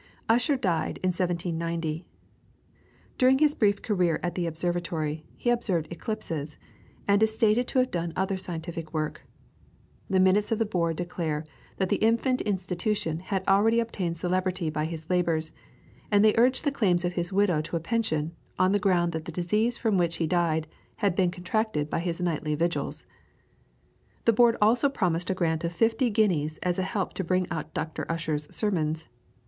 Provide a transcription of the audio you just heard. Ussher died in 1790. During his brief career at the observatory, he observed eclipses, and is stated to have done other scientific work. The minutes of the Board declare that the infant institution had already obtained celebrity by his labours, and they urge the claims of his widow to a pension, on the ground that the disease from which he died had been contracted by his nightly vigils. The Board also promised a grant of fifty guineas as a help to bring out Dr. Ussher's sermons.